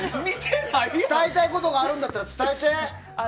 伝えたいことがあるなら伝えて。